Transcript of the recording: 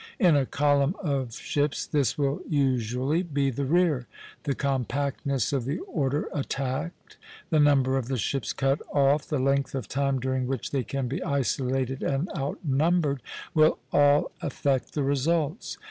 In a column of ships this will usually be the rear. The compactness of the order attacked, the number of the ships cut off, the length of time during which they can be isolated and outnumbered, will all affect the results.